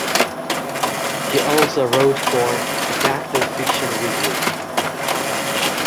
He also wrote for "Detective Fiction Weekly".